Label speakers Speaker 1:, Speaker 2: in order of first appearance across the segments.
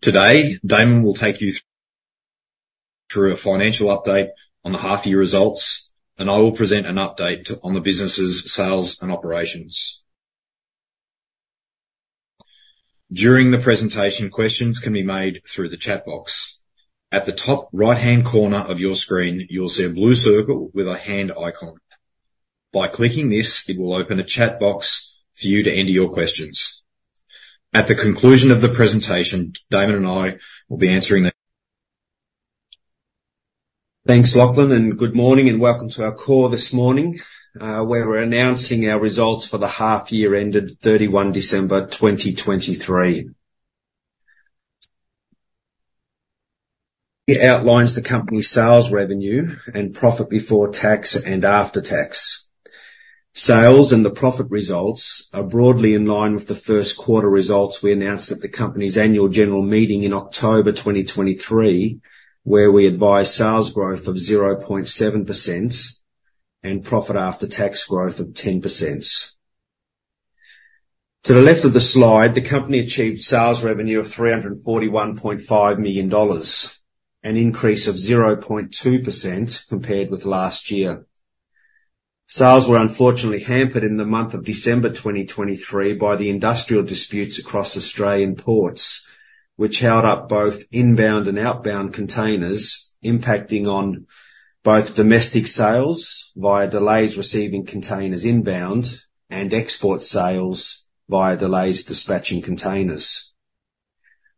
Speaker 1: Today, Damon will take you through a financial update on the half-year results, and I will present an update on the business's sales and operations. During the presentation, questions can be made through the chat box. At the top right-hand corner of your screen, you'll see a blue circle with a hand icon. By clicking this, it will open a chat box for you to enter your questions. At the conclusion of the presentation, Damon and I will be answering the.
Speaker 2: Thanks, Lachlan, and good morning and welcome to our call this morning where we're announcing our results for the half-year ended 31 December 2023. It outlines the company's sales revenue and profit before tax and after tax. Sales and the profit results are broadly in line with the first quarter results we announced at the company's annual general meeting in October 2023, where we advised sales growth of 0.7% and profit after tax growth of 10%. To the left of the slide, the company achieved sales revenue of 341.5 million dollars, an increase of 0.2% compared with last year. Sales were unfortunately hampered in the month of December 2023 by the industrial disputes across Australian ports, which held up both inbound and outbound containers, impacting on both domestic sales via delays receiving containers inbound and export sales via delays dispatching containers.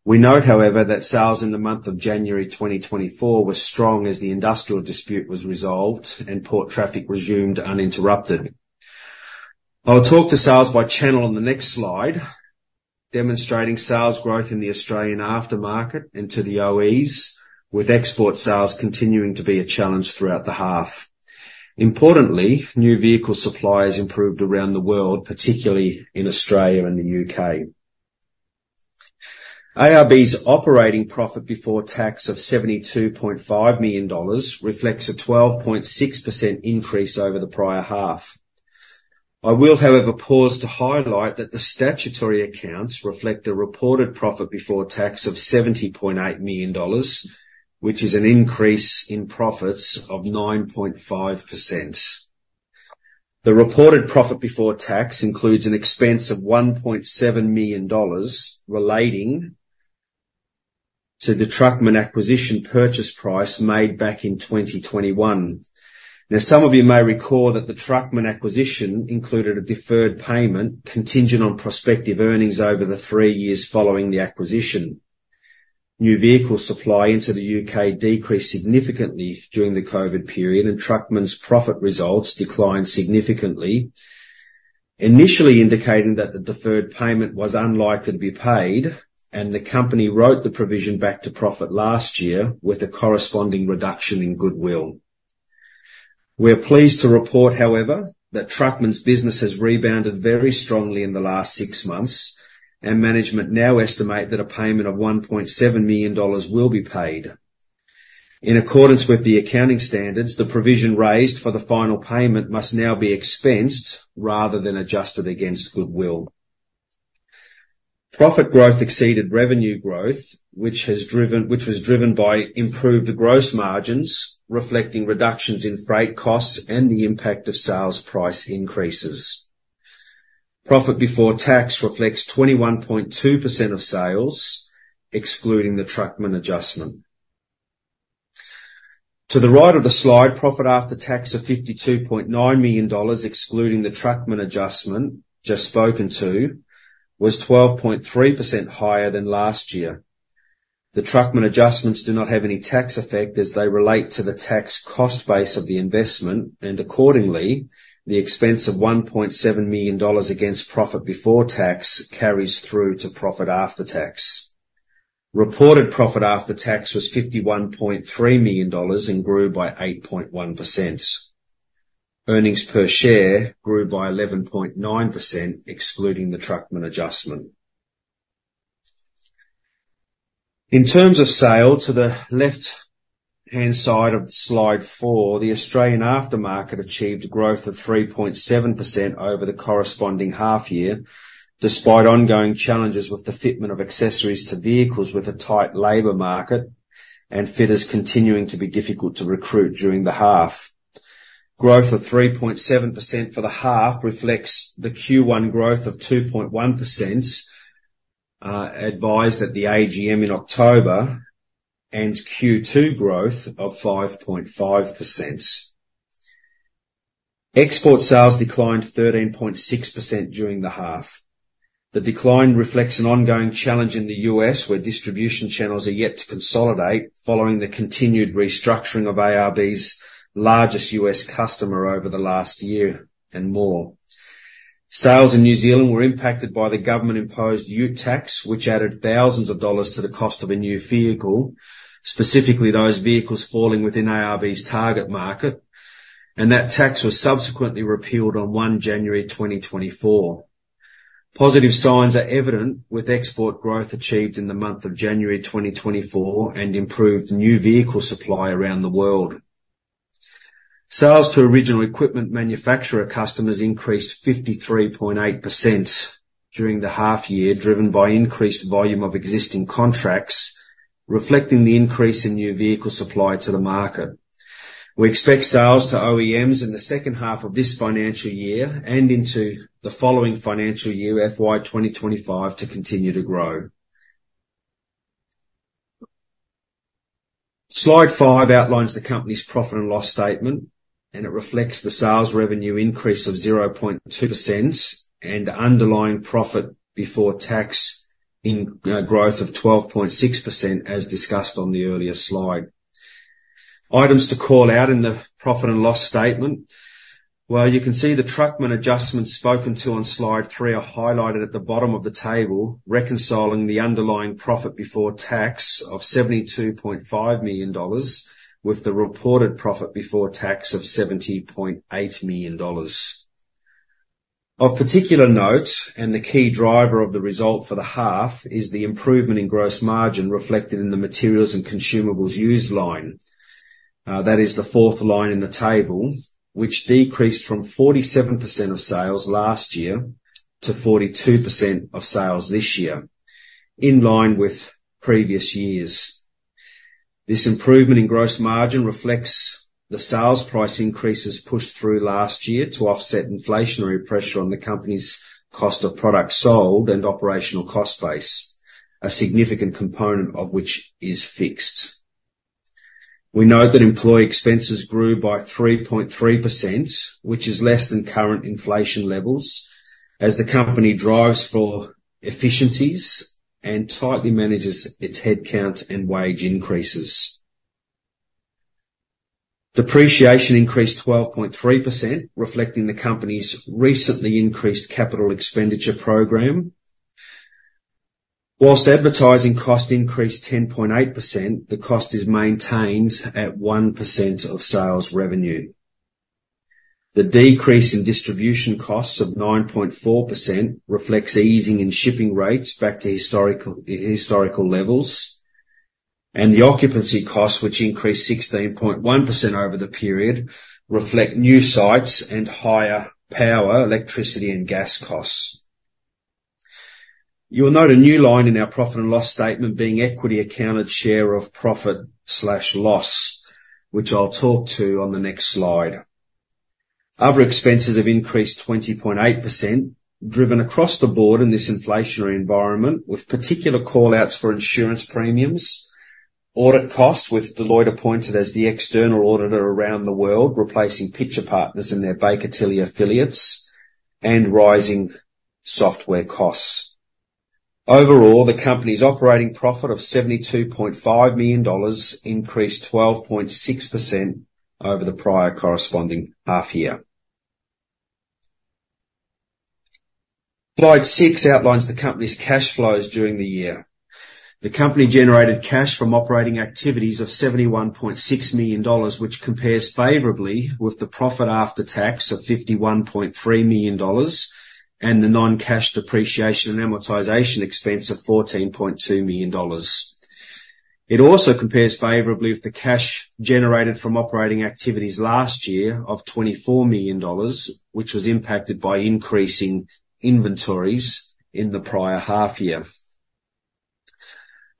Speaker 2: We note, however, that sales in the month of January 2024 were strong as the industrial dispute was resolved and port traffic resumed uninterrupted. I'll talk to sales by channel on the next slide, demonstrating sales growth in the Australian aftermarket and to the OEs, with export sales continuing to be a challenge throughout the half. Importantly, new vehicle suppliers improved around the world, particularly in Australia and the U.K. ARB's operating profit before tax of AUD 72.5 million reflects a 12.6% increase over the prior half. I will, however, pause to highlight that the statutory accounts reflect a reported profit before tax of 70.8 million dollars, which is an increase in profits of 9.5%. The reported profit before tax includes an expense of 1.7 million dollars relating to the Truckman acquisition purchase price made back in 2021. Now, some of you may recall that the Truckman acquisition included a deferred payment contingent on prospective earnings over the three years following the acquisition. New vehicle supply into the U.K. decreased significantly during the COVID period, and Truckman's profit results declined significantly, initially indicating that the deferred payment was unlikely to be paid, and the company wrote the provision back to profit last year with a corresponding reduction in goodwill. We're pleased to report, however, that Truckman's business has rebounded very strongly in the last six months, and management now estimate that a payment of 1.7 million dollars will be paid. In accordance with the accounting standards, the provision raised for the final payment must now be expensed rather than adjusted against goodwill. Profit growth exceeded revenue growth, which was driven by improved gross margins, reflecting reductions in freight costs and the impact of sales price increases. Profit before tax reflects 21.2% of sales, excluding the Truckman adjustment. To the right of the slide, profit after tax of AUD 52.9 million, excluding the Truckman adjustment just spoken to, was 12.3% higher than last year. The Truckman adjustments do not have any tax effect as they relate to the tax cost base of the investment, and accordingly, the expense of 1.7 million dollars against profit before tax carries through to profit after tax. Reported profit after tax was 51.3 million dollars and grew by 8.1%. Earnings per share grew by 11.9%, excluding the Truckman adjustment. In terms of sales, to the left-hand side of slide four, the Australian aftermarket achieved growth of 3.7% over the corresponding half-year, despite ongoing challenges with the fitment of accessories to vehicles with a tight labor market and fitters continuing to be difficult to recruit during the half. Growth of 3.7% for the half reflects the Q1 growth of 2.1% advised at the AGM in October and Q2 growth of 5.5%. Export sales declined 13.6% during the half. The decline reflects an ongoing challenge in the U.S., where distribution channels are yet to consolidate following the continued restructuring of ARB's largest U.S. customer over the last year and more. Sales in New Zealand were impacted by the government-imposed Ute tax, which added thousands of NZD to the cost of a new vehicle, specifically those vehicles falling within ARB's target market, and that tax was subsequently repealed on 1 January 2024. Positive signs are evident with export growth achieved in the month of January 2024 and improved new vehicle supply around the world. Sales to original equipment manufacturer customers increased 53.8% during the half-year, driven by increased volume of existing contracts, reflecting the increase in new vehicle supply to the market. We expect sales to OEMs in the second half of this financial year and into the following financial year, FY 2025, to continue to grow. Slide five outlines the company's profit and loss statement, and it reflects the sales revenue increase of 0.2% and underlying profit before tax growth of 12.6%, as discussed on the earlier slide. Items to call out in the profit and loss statement, well, you can see the Truckman adjustments spoken to on slide three are highlighted at the bottom of the table, reconciling the underlying profit before tax of 72.5 million dollars with the reported profit before tax of 70.8 million dollars. Of particular note, and the key driver of the result for the half, is the improvement in gross margin reflected in the materials and consumables used line. That is the fourth line in the table, which decreased from 47% of sales last year to 42% of sales this year, in line with previous years. This improvement in gross margin reflects the sales price increases pushed through last year to offset inflationary pressure on the company's cost of product sold and operational cost base, a significant component of which is fixed. We note that employee expenses grew by 3.3%, which is less than current inflation levels as the company drives for efficiencies and tightly manages its headcount and wage increases. Depreciation increased 12.3%, reflecting the company's recently increased capital expenditure program. Whilst advertising cost increased 10.8%, the cost is maintained at 1% of sales revenue. The decrease in distribution costs of 9.4% reflects easing in shipping rates back to historical levels, and the occupancy costs, which increased 16.1% over the period, reflect new sites and higher power, electricity, and gas costs. You'll note a new line in our profit and loss statement being equity accounted share of profit/loss, which I'll talk to on the next slide. Other expenses have increased 20.8%, driven across the board in this inflationary environment, with particular callouts for insurance premiums, audit costs with Deloitte appointed as the external auditor around the world, replacing Pitcher Partners and their Baker Tilly affiliates, and rising software costs. Overall, the company's operating profit of 72.5 million dollars increased 12.6% over the prior corresponding half-year. Slide six outlines the company's cash flows during the year. The company generated cash from operating activities of 71.6 million dollars, which compares favorably with the profit after tax of 51.3 million dollars and the non-cash depreciation and amortization expense of 14.2 million dollars. It also compares favorably with the cash generated from operating activities last year of 24 million dollars, which was impacted by increasing inventories in the prior half-year.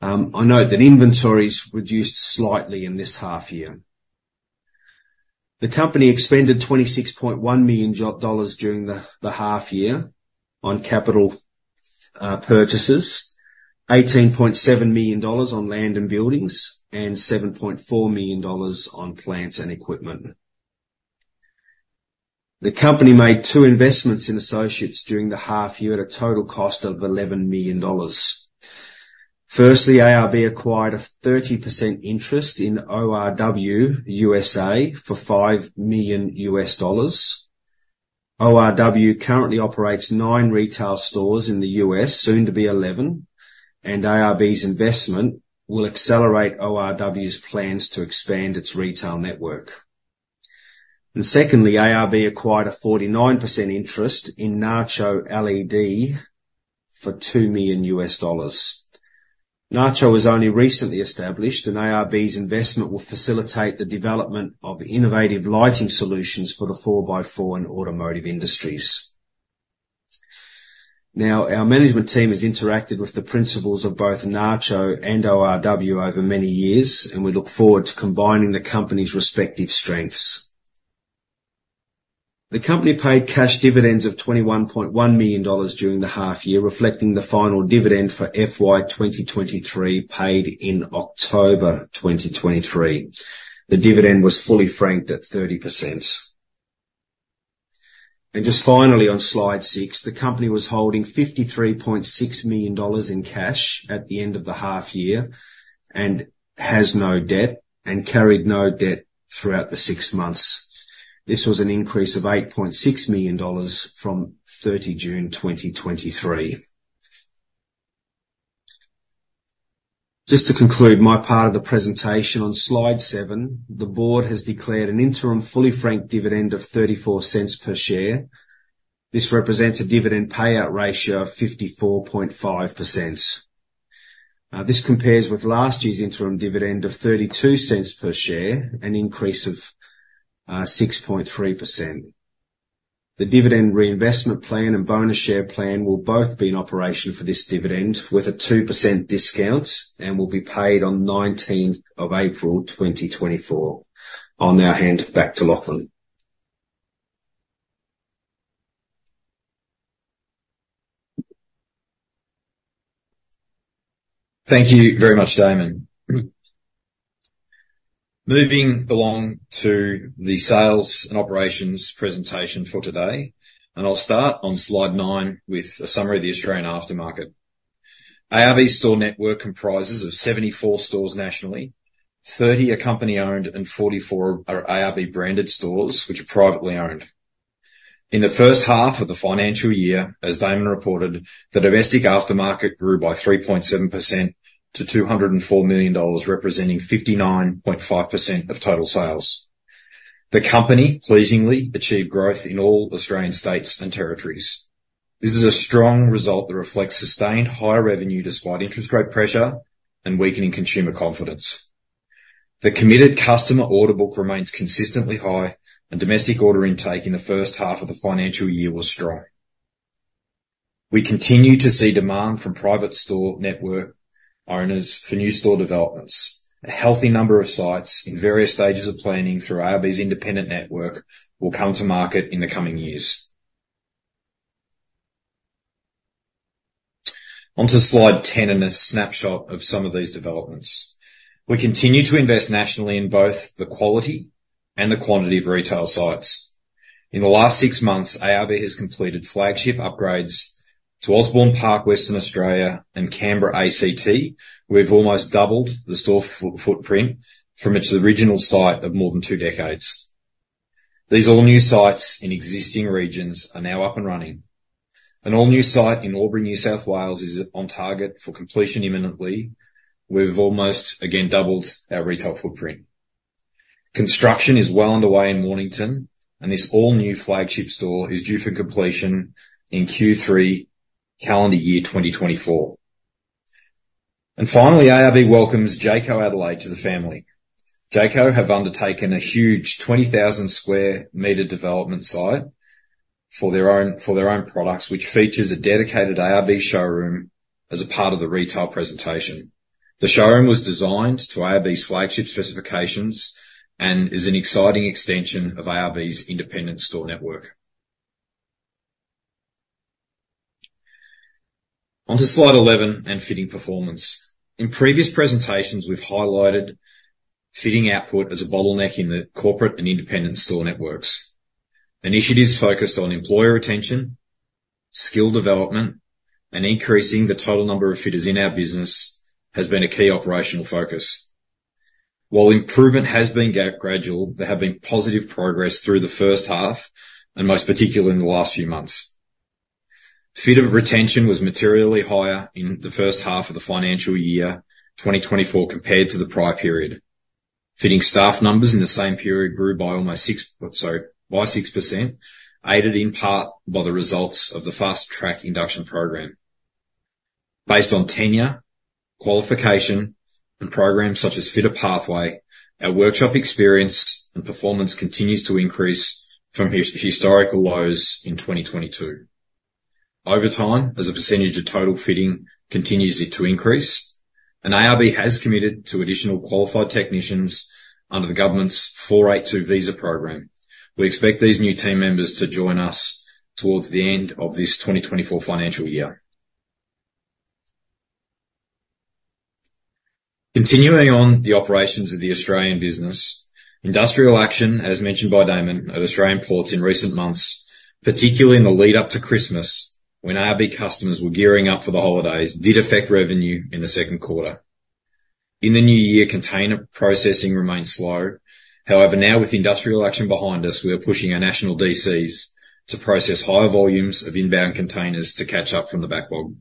Speaker 2: I note that inventories reduced slightly in this half-year. The company expended 26.1 million dollars during the half-year on capital purchases, 18.7 million dollars on land and buildings, and 7.4 million dollars on plants and equipment. The company made two investments in associates during the half-year at a total cost of 11 million dollars. Firstly, ARB acquired a 30% interest in ORW U.S.A. for $5 million. ORW currently operates nine retail stores in the U.S., soon to be 11, and ARB's investment will accelerate ORW's plans to expand its retail network. Secondly, ARB acquired a 49% interest in Nacho LED for $2 million. Nacho was only recently established, and ARB's investment will facilitate the development of innovative lighting solutions for the 4x4 and automotive industries. Now, our management team has interacted with the principals of both Nacho and ORW over many years, and we look forward to combining the company's respective strengths. The company paid cash dividends of 21.1 million dollars during the half-year, reflecting the final dividend for FY 2023 paid in October 2023. The dividend was fully franked at 30%. Just finally, on slide six, the company was holding 53.6 million dollars in cash at the end of the half-year and has no debt and carried no debt throughout the six months. This was an increase of 8.6 million dollars from 30 June 2023. Just to conclude my part of the presentation, on slide seven, the board has declared an interim fully franked dividend of 0.34 per share. This represents a dividend payout ratio of 54.5%. This compares with last year's interim dividend of 0.32 per share, an increase of 6.3%. The dividend reinvestment plan and bonus share plan will both be in operation for this dividend with a 2% discount and will be paid on 19th of April 2024. With that, back to Lachlan.
Speaker 1: Thank you very much, Damon. Moving along to the sales and operations presentation for today, and I'll start on slide nine with a summary of the Australian aftermarket. ARB's store network comprises of 74 stores nationally, 30 are company-owned, and 44 are ARB-branded stores, which are privately owned. In the first half of the financial year, as Damon reported, the domestic aftermarket grew by 3.7% to 204 million dollars, representing 59.5% of total sales. The company pleasingly achieved growth in all Australian states and territories. This is a strong result that reflects sustained high revenue despite interest rate pressure and weakening consumer confidence. The committed customer order book remains consistently high, and domestic order intake in the first half of the financial year was strong. We continue to see demand from private store network owners for new store developments. A healthy number of sites in various stages of planning through ARB's independent network will come to market in the coming years. Onto slide 10 and a snapshot of some of these developments. We continue to invest nationally in both the quality and the quantity of retail sites. In the last six months, ARB has completed flagship upgrades to Osborne Park, Western Australia, and Canberra, Australian Capital Territory, where we've almost doubled the store footprint from its original site of more than two decades. These all new sites in existing regions are now up and running. An all new site in Auburn, New South Wales, is on target for completion imminently, where we've almost, again, doubled our retail footprint. Construction is well underway in Mornington, Victoria, and this all new flagship store is due for completion in Q3, calendar year 2024. And finally, ARB welcomes Jayco Adelaide to the family. Jayco have undertaken a huge 20,000 square meter development site for their own products, which features a dedicated ARB showroom as a part of the retail presentation. The showroom was designed to ARB's flagship specifications and is an exciting extension of ARB's independent store network. Onto slide 11 and fitting performance. In previous presentations, we've highlighted fitting output as a bottleneck in the corporate and independent store networks. Initiatives focused on employer retention, skill development, and increasing the total number of fitters in our business have been a key operational focus. While improvement has been gradual, there have been positive progress through the first half, and most particularly in the last few months. Fitter retention was materially higher in the first half of the financial year 2024 compared to the prior period. Fitting staff numbers in the same period grew by almost 6%, aided in part by the results of the fast track induction program. Based on tenure, qualification, and programs such as Fitter Pathway, our workshop experience and performance continues to increase from historical lows in 2022. Over time, as a percentage of total fitting continues to increase, and ARB has committed to additional qualified technicians under the government's 482 Visa Program, we expect these new team members to join us towards the end of this 2024 financial year. Continuing on the operations of the Australian business, industrial action, as mentioned by Damon, at Australian ports in recent months, particularly in the lead-up to Christmas, when ARB customers were gearing up for the holidays, did affect revenue in the second quarter. In the new year, container processing remained slow. However, now with industrial action behind us, we are pushing our national DCs to process higher volumes of inbound containers to catch up from the backlog.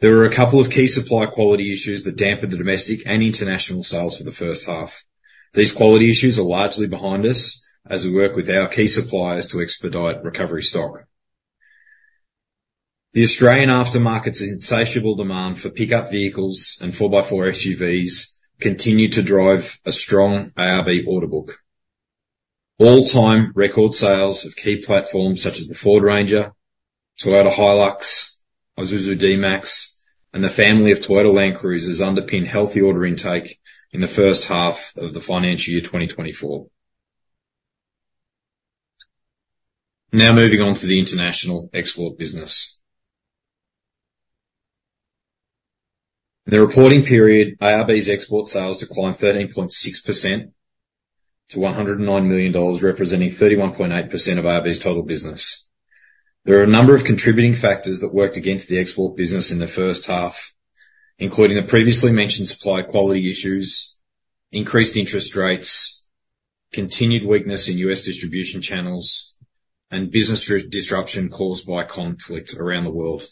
Speaker 1: There were a couple of key supply quality issues that dampened the domestic and international sales for the first half. These quality issues are largely behind us as we work with our key suppliers to expedite recovery stock. The Australian aftermarket's insatiable demand for pickup vehicles and 4x4 SUVs continued to drive a strong ARB order book. All-time record sales of key platforms such as the Ford Ranger, Toyota HiLux, Isuzu D-MAX, and the family of Toyota Land Cruisers underpinned healthy order intake in the first half of the financial year 2024. Now moving on to the international export business. In the reporting period, ARB's export sales declined 13.6% to 109 million dollars, representing 31.8% of ARB's total business. There are a number of contributing factors that worked against the export business in the first half, including the previously mentioned supply quality issues, increased interest rates, continued weakness in U.S. distribution channels, and business disruption caused by conflict around the world.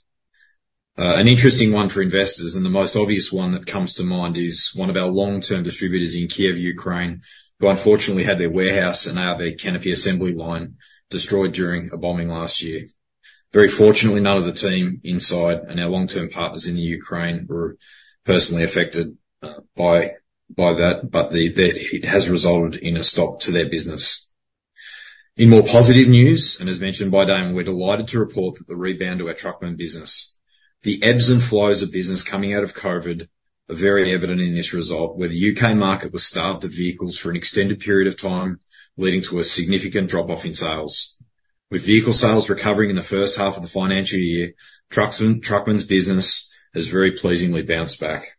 Speaker 1: An interesting one for investors, and the most obvious one that comes to mind, is one of our long-term distributors in Kyiv, Ukraine, who unfortunately had their warehouse and ARB canopy assembly line destroyed during a bombing last year. Very fortunately, none of the team inside and our long-term partners in Ukraine were personally affected by that, but it has resulted in a stop to their business. In more positive news, and as mentioned by Damon, we're delighted to report that the rebound to our Truckman business. The ebbs and flows of business coming out of COVID are very evident in this result, where the U.K. market was starved of vehicles for an extended period of time, leading to a significant drop-off in sales. With vehicle sales recovering in the first half of the financial year, Truckman's business has very pleasingly bounced back.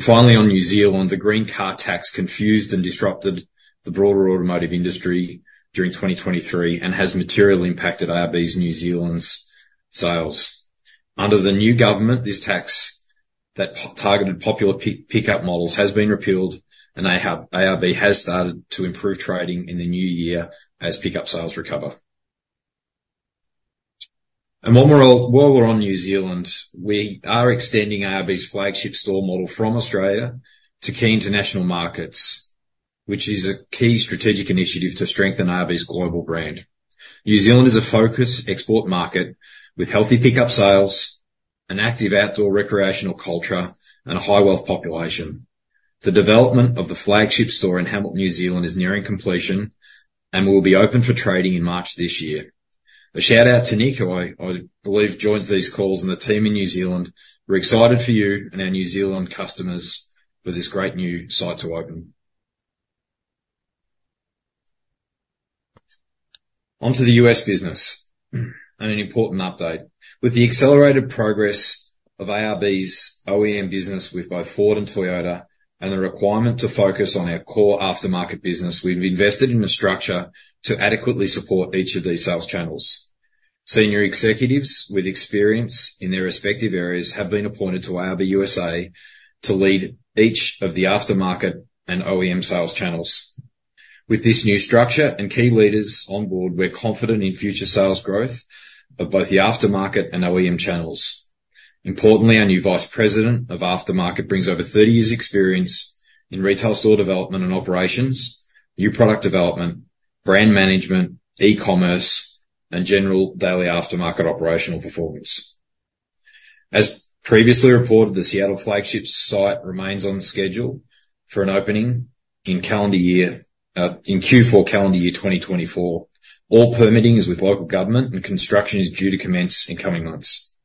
Speaker 1: Finally, on New Zealand, the green car tax confused and disrupted the broader automotive industry during 2023 and has materially impacted ARB's New Zealand sales. Under the new government, this tax that targeted popular pickup models has been repealed, and ARB has started to improve trading in the new year as pickup sales recover. And while we're on New Zealand, we are extending ARB's flagship store model from Australia to key international markets, which is a key strategic initiative to strengthen ARB's global brand. New Zealand is a focused export market with healthy pickup sales, an active outdoor recreational culture, and a high-wealth population. The development of the flagship store in Hamilton, New Zealand, is nearing completion and will be open for trading in March this year. A shout-out to Nick, who I believe joins these calls and the team in New Zealand. We're excited for you and our New Zealand customers for this great new site to open. Onto the U.S. business and an important update. With the accelerated progress of ARB's OEM business with both Ford and Toyota and the requirement to focus on our core aftermarket business, we've invested in a structure to adequately support each of these sales channels. Senior executives with experience in their respective areas have been appointed to ARB U.S.A. to lead each of the aftermarket and OEM sales channels. With this new structure and key leaders on board, we're confident in future sales growth of both the aftermarket and OEM channels. Importantly, our new Vice President of Aftermarket brings over 30 years' experience in retail store development and operations, new product development, brand management, e-commerce, and general daily aftermarket operational performance. As previously reported, the Seattle flagship site remains on schedule for an opening in Q4 calendar year 2024. All permitting is with local government, and construction is due to commence in coming months.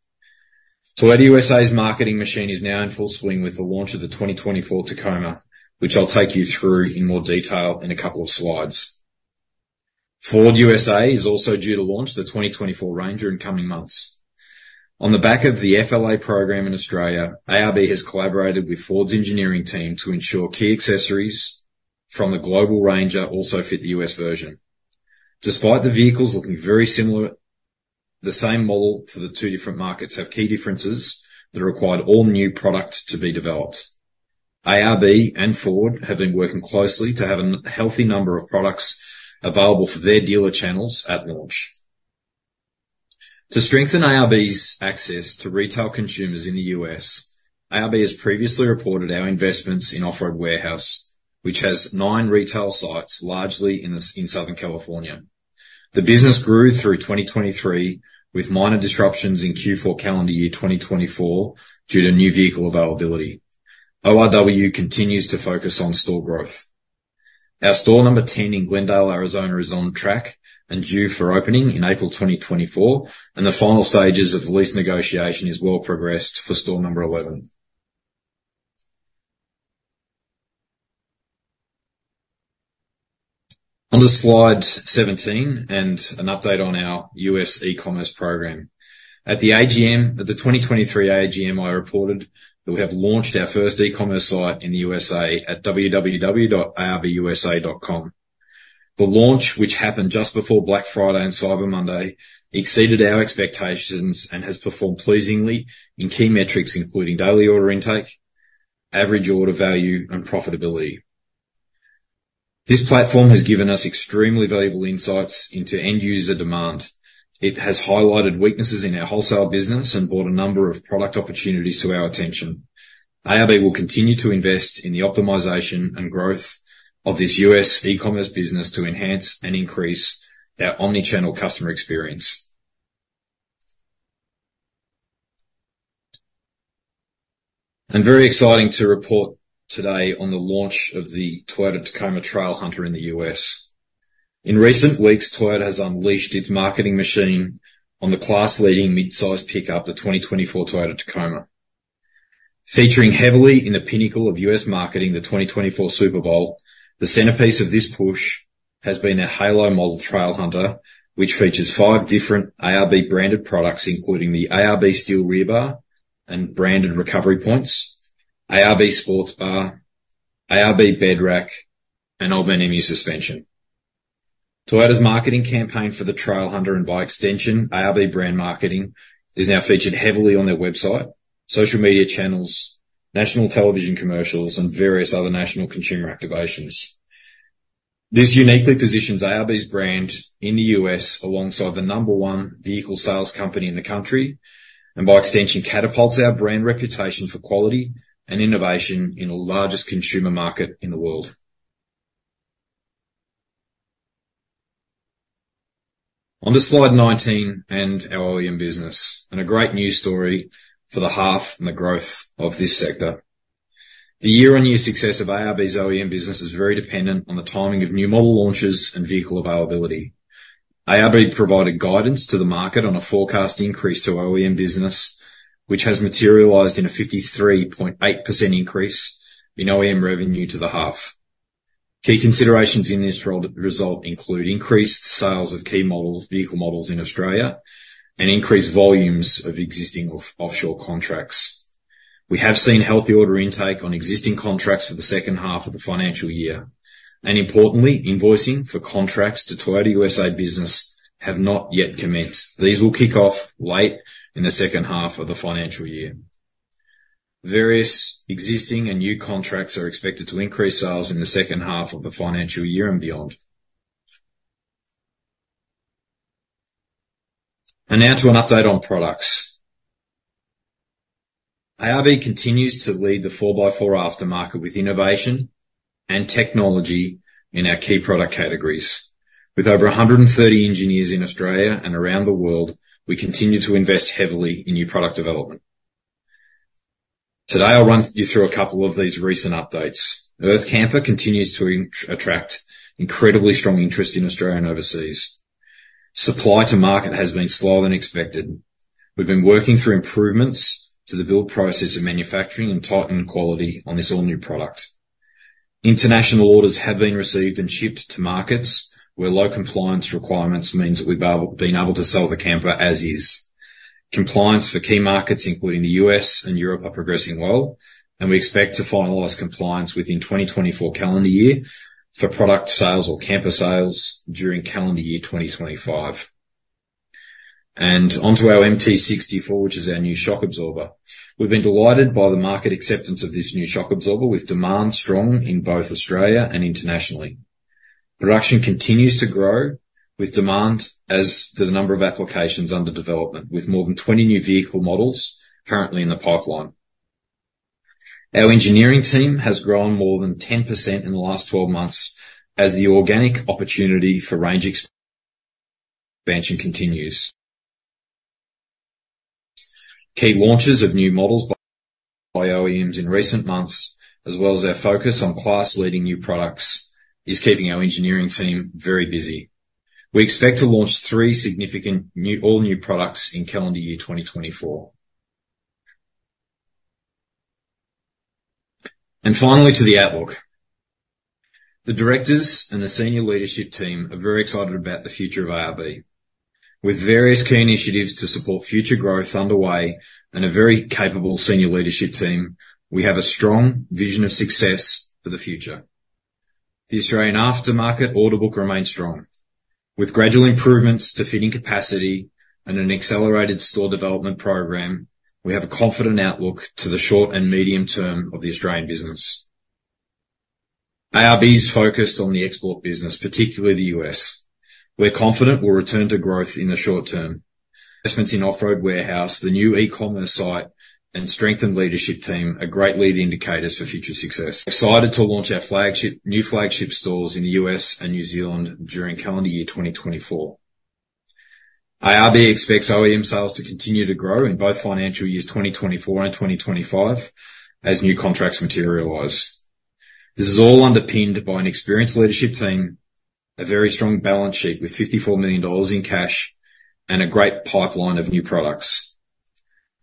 Speaker 1: Toyota U.S.A.'s marketing machine is now in full swing with the launch of the 2024 Tacoma, which I'll take you through in more detail in a couple of slides. Ford U.S.A. is also due to launch the 2024 Ranger in coming months. On the back of the FLA program in Australia, ARB has collaborated with Ford's engineering team to ensure key accessories from the global Ranger also fit the U.S. version. Despite the vehicles looking very similar, the same model for the two different markets have key differences that require all new product to be developed. ARB and Ford have been working closely to have a healthy number of products available for their dealer channels at launch. To strengthen ARB's access to retail consumers in the U.S., ARB has previously reported our investments in Off Road Warehouse, which has nine retail sites largely in Southern California. The business grew through 2023 with minor disruptions in Q4 calendar year 2024 due to new vehicle availability. ORW continues to focus on store growth. Our store number 10 in Glendale, Arizona, is on track and due for opening in April 2024, and the final stages of lease negotiation have well progressed for store number 11. Onto slide 17 and an update on our U.S. e-commerce program. At the AGM, at the 2023 AGM, I reported that we have launched our first e-commerce site in the U.S.A. at www.arbusa.com. The launch, which happened just before Black Friday and Cyber Monday, exceeded our expectations and has performed pleasingly in key metrics including daily order intake, average order value, and profitability. This platform has given us extremely valuable insights into end-user demand. It has highlighted weaknesses in our wholesale business and brought a number of product opportunities to our attention. ARB will continue to invest in the optimization and growth of this U.S. e-commerce business to enhance and increase our omnichannel customer experience. Very exciting to report today on the launch of the Toyota Tacoma Trailhunter in the U.S. In recent weeks, Toyota has unleashed its marketing machine on the class-leading midsize pickup, the 2024 Toyota Tacoma. Featuring heavily in the pinnacle of U.S. marketing, the 2024 Super Bowl, the centerpiece of this push has been the halo model Trailhunter, which features five different ARB branded products including the ARB Steel Rear Bar and branded recovery points, ARB Sports Bar, ARB Bed Rack, and Old Man Emu suspension. Toyota's marketing campaign for the Trailhunter and, by extension, ARB brand marketing is now featured heavily on their website, social media channels, national television commercials, and various other national consumer activations. This uniquely positions ARB's brand in the U.S. alongside the number one vehicle sales company in the country and, by extension, catapults our brand reputation for quality and innovation in the largest consumer market in the world. Onto slide 19 and our OEM business and a great news story for the half and the growth of this sector. The year-on-year success of ARB's OEM business is very dependent on the timing of new model launches and vehicle availability. ARB provided guidance to the market on a forecast increase to OEM business, which has materialized in a 53.8% increase in OEM revenue to the half. Key considerations in this result include increased sales of key vehicle models in Australia and increased volumes of existing offshore contracts. We have seen healthy order intake on existing contracts for the second half of the financial year. Importantly, invoicing for contracts to Toyota U.S.A. business have not yet commenced. These will kick off late in the second half of the financial year. Various existing and new contracts are expected to increase sales in the second half of the financial year and beyond. Now to an update on products. ARB continues to lead the 4x4 aftermarket with innovation and technology in our key product categories. With over 130 engineers in Australia and around the world, we continue to invest heavily in new product development. Today, I'll run you through a couple of these recent updates. Earth Camper continues to attract incredibly strong interest in Australia and overseas. Supply to market has been slower than expected. We've been working through improvements to the build process of manufacturing and tighten quality on this all-new product. International orders have been received and shipped to markets where low compliance requirements mean that we've been able to sell the camper as is. Compliance for key markets including the U.S. and Europe are progressing well, and we expect to finalize compliance within 2024 calendar year for product sales or camper sales during calendar year 2025. Onto our MT64, which is our new shock absorber. We've been delighted by the market acceptance of this new shock absorber with demand strong in both Australia and internationally. Production continues to grow with demand as does the number of applications under development with more than 20 new vehicle models currently in the pipeline. Our engineering team has grown more than 10% in the last 12 months as the organic opportunity for range expansion continues. Key launches of new models by OEMs in recent months, as well as our focus on class-leading new products, is keeping our engineering team very busy. We expect to launch three significant all-new products in calendar year 2024. Finally, to the outlook. The directors and the senior leadership team are very excited about the future of ARB. With various key initiatives to support future growth underway and a very capable senior leadership team, we have a strong vision of success for the future. The Australian aftermarket order book remains strong. With gradual improvements to fitting capacity and an accelerated store development program, we have a confident outlook to the short and medium term of the Australian business. ARB's focused on the export business, particularly the U.S. We're confident we'll return to growth in the short term. Investments in Off Road Warehouse, the new e-commerce site, and strengthened leadership team are great lead indicators for future success. Excited to launch our new flagship stores in the U.S. and New Zealand during calendar year 2024. ARB expects OEM sales to continue to grow in both financial years 2024 and 2025 as new contracts materialize. This is all underpinned by an experienced leadership team, a very strong balance sheet with 54 million dollars in cash, and a great pipeline of new products.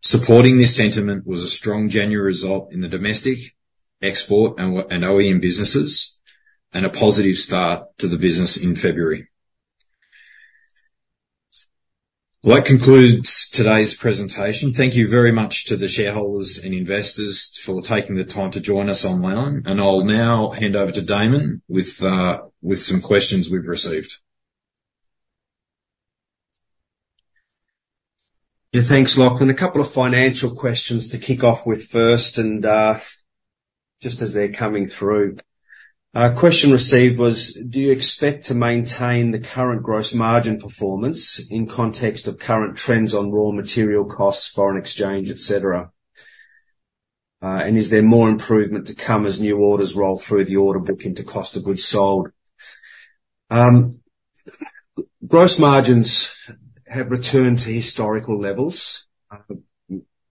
Speaker 1: Supporting this sentiment was a strong January result in the domestic, export, and OEM businesses and a positive start to the business in February. That concludes today's presentation. Thank you very much to the shareholders and investors for taking the time to join us online. I'll now hand over to Damon with some questions we've received.
Speaker 2: Yeah, thanks, Lachlan. A couple of financial questions to kick off with first and just as they're coming through. A question received was, "Do you expect to maintain the current gross margin performance in context of current trends on raw material costs, foreign exchange, etc.? And is there more improvement to come as new orders roll through the order book into cost of goods sold?" Gross margins have returned to historical levels. I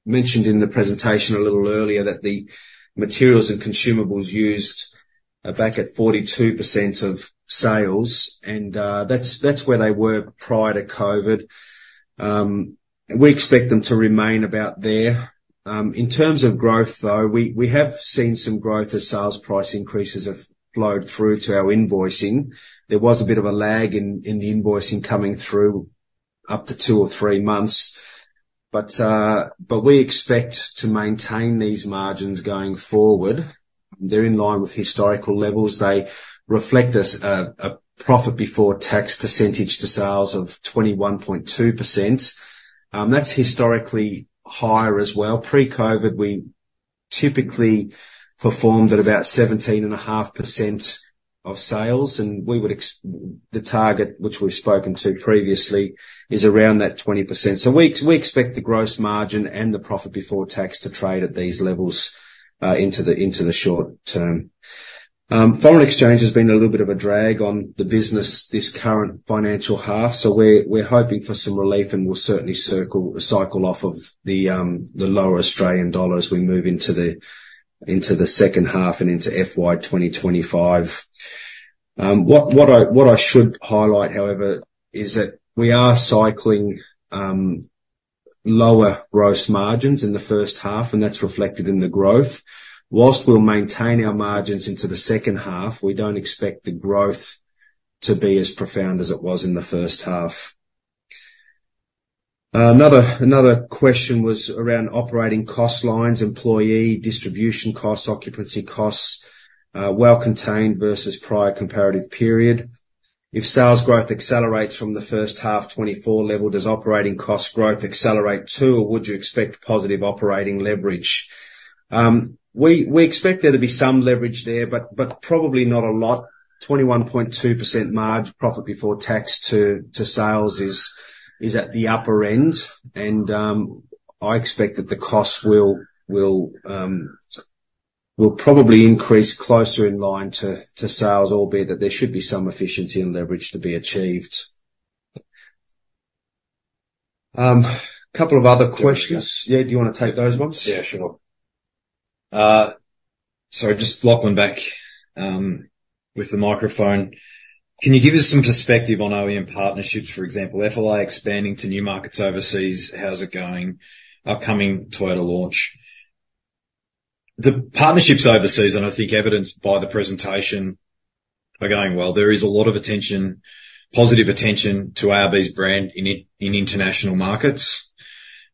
Speaker 2: mentioned in the presentation a little earlier that the materials and consumables used are back at 42% of sales, and that's where they were prior to COVID. We expect them to remain about there. In terms of growth, though, we have seen some growth as sales price increases have flowed through to our invoicing. There was a bit of a lag in the invoicing coming through up to two or three months. But we expect to maintain these margins going forward. They're in line with historical levels. They reflect a profit before tax percentage to sales of 21.2%. That's historically higher as well. Pre-COVID, we typically performed at about 17.5% of sales, and the target, which we've spoken to previously, is around that 20%. So we expect the gross margin and the profit before tax to trade at these levels into the short term. Foreign exchange has been a little bit of a drag on the business this current financial half, so we're hoping for some relief, and we'll certainly cycle off of the lower Australian dollars as we move into the second half and into FY 2025. What I should highlight, however, is that we are cycling lower gross margins in the first half, and that's reflected in the growth. While we'll maintain our margins into the second half, we don't expect the growth to be as profound as it was in the first half. Another question was around operating cost lines, employee distribution costs, occupancy costs, well-contained versus prior comparative period. If sales growth accelerates from the first half 2024 level, does operating cost growth accelerate too, or would you expect positive operating leverage? We expect there to be some leverage there, but probably not a lot. 21.2% margin, profit before tax to sales is at the upper end, and I expect that the costs will probably increase closer in line to sales, albeit that there should be some efficiency and leverage to be achieved. A couple of other questions. Yeah, do you want to take those ones? Yeah, sure.
Speaker 1: Sorry, just Lachlan back with the microphone. Can you give us some perspective on OEM partnerships? For example, FLA expanding to new markets overseas, how's it going? Upcoming Toyota launch. The partnerships overseas, and I think evidenced by the presentation, are going well. There is a lot of positive attention to ARB's brand in international markets.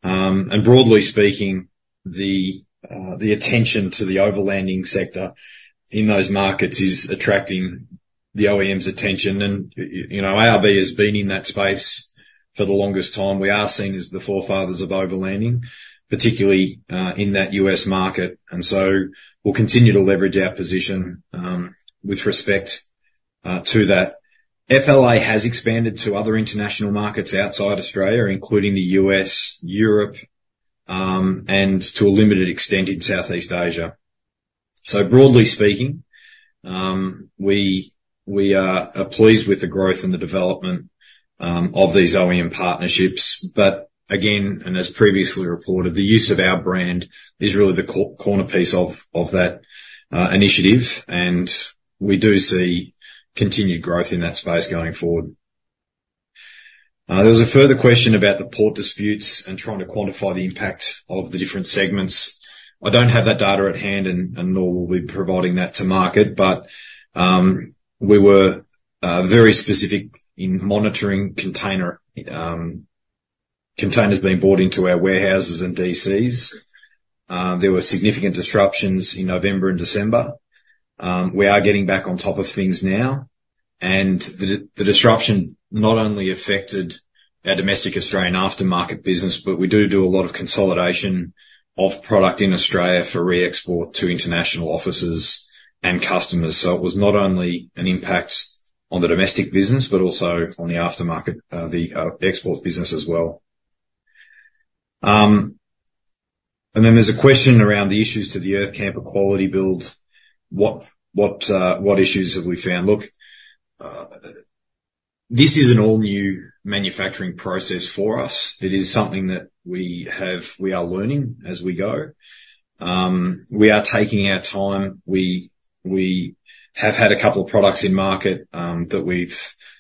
Speaker 1: Broadly speaking, the attention to the overlanding sector in those markets is attracting the OEM's attention. ARB has been in that space for the longest time. We are seen as the forefathers of overlanding, particularly in that U.S. market. So we'll continue to leverage our position with respect to that. FLA has expanded to other international markets outside Australia, including the U.S., Europe, and to a limited extent in Southeast Asia. Broadly speaking, we are pleased with the growth and the development of these OEM partnerships. But again, and as previously reported, the use of our brand is really the cornerstone of that initiative, and we do see continued growth in that space going forward. There was a further question about the port disputes and trying to quantify the impact of the different segments. I don't have that data at hand, and nor will we be providing that to market. But we were very specific in monitoring containers being brought into our warehouses and DCs. There were significant disruptions in November and December. We are getting back on top of things now. The disruption not only affected our domestic Australian aftermarket business, but we do do a lot of consolidation of product in Australia for re-export to international offices and customers. So it was not only an impact on the domestic business, but also on the export business as well. Then there's a question around the issues to the Earth Camper Quality Build. What issues have we found? Look, this is an all-new manufacturing process for us. It is something that we are learning as we go. We are taking our time. We have had a couple of products in market that we've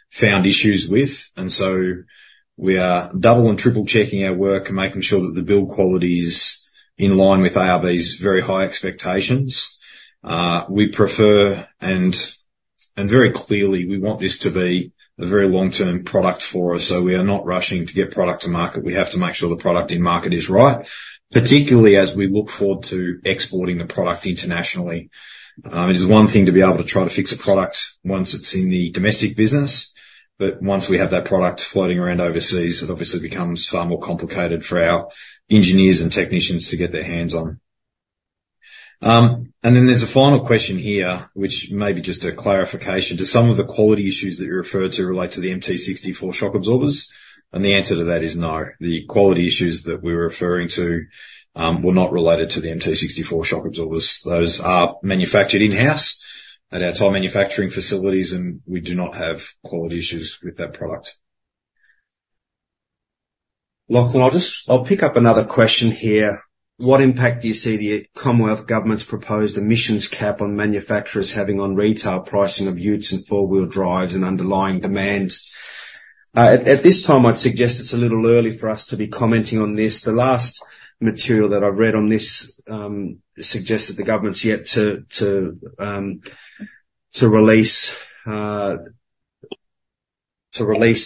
Speaker 1: found issues with. So we are double and triple-checking our work and making sure that the build quality is in line with ARB's very high expectations. Very clearly, we want this to be a very long-term product for us. So we are not rushing to get product to market. We have to make sure the product in market is right, particularly as we look forward to exporting the product internationally. It is one thing to be able to try to fix a product once it's in the domestic business, but once we have that product floating around overseas, it obviously becomes far more complicated for our engineers and technicians to get their hands on. And then there's a final question here, which may be just a clarification. Do some of the quality issues that you referred to relate to the MT64 shock absorbers? And the answer to that is no. The quality issues that we were referring to were not related to the MT64 shock absorbers. Those are manufactured in-house at our top manufacturing facilities, and we do not have quality issues with that product. Lachlan, I'll pick up another question here. What impact do you see the Commonwealth Government's proposed emissions cap on manufacturers having on retail pricing of utes and four-wheel drives and underlying demand? At this time, I'd suggest it's a little early for us to be commenting on this. The last material that I've read on this suggests that the government's yet to release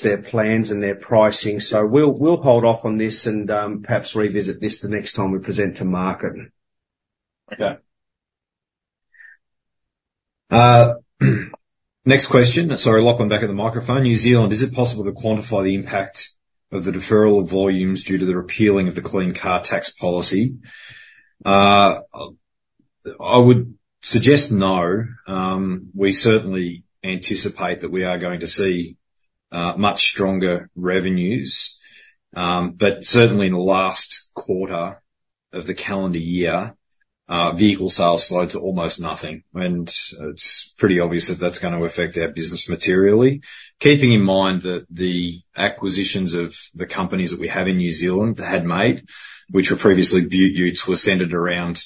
Speaker 1: their plans and their pricing. So we'll hold off on this and perhaps revisit this the next time we present to market. Okay. Next question. Sorry, Lachlan back at the microphone. New Zealand, is it possible to quantify the impact of the deferral of volumes due to the repealing of the Clean Car tax policy? I would suggest no. We certainly anticipate that we are going to see much stronger revenues. But certainly, in the last quarter of the calendar year, vehicle sales slowed to almost nothing. And it's pretty obvious that that's going to affect our business materially. Keeping in mind that the acquisitions of the companies that we have in New Zealand that had made, which were previously Beaut Utes, were centered around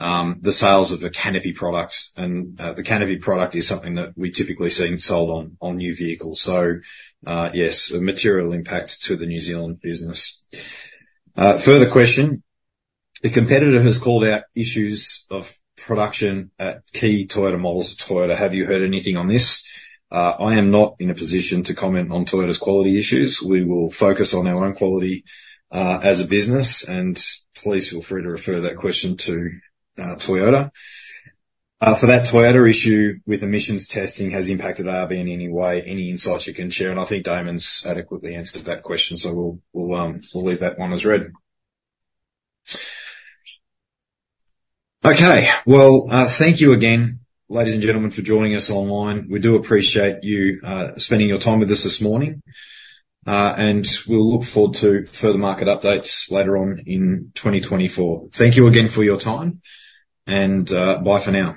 Speaker 1: the sales of the canopy product. And the canopy product is something that we typically see sold on new vehicles. So yes, a material impact to the New Zealand business. Further question. A competitor has called out issues of production at key Toyota models of Toyota. Have you heard anything on this? I am not in a position to comment on Toyota's quality issues. We will focus on our own quality as a business. And please feel free to refer that question to Toyota. For that Toyota issue with emissions testing, has it impacted ARB in any way? Any insights you can share? And I think Damon's adequately answered that question, so we'll leave that one as read. Okay. Well, thank you again, ladies and gentlemen, for joining us online. We do appreciate you spending your time with us this morning. We'll look forward to further market updates later on in 2024. Thank you again for your time, and bye for now.